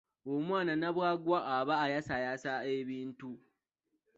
Omwana Nabbwaaga aba ayasaayasa ebintu.